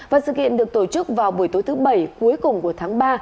và sự kiện được tổ chức vào buổi tối thứ bảy cuối cùng của tháng ba